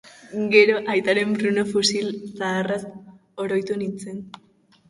Gero, aitaren Brno fusil zaharraz oroitu nintzen.